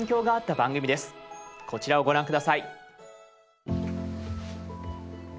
こちらをご覧下さい。